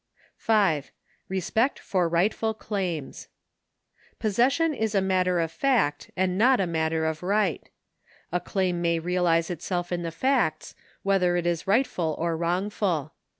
5. Respect for rightful claims. Possession is a matter of fact and not a matter of right. A claim may realise itself in the facts whether it is rightful or wrongful.